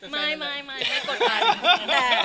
ไม่ไม่กดดัน